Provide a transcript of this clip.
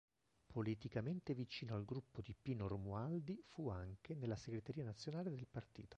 Politicamente vicino al gruppo di Pino Romualdi, fu anche nella segreteria nazionale del partito.